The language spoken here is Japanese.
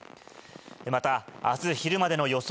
また、あす昼までの予想